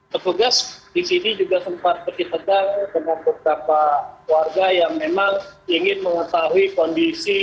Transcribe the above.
petugas di sini juga sempat bersih tegang dengan beberapa warga yang memang ingin mengetahui kondisi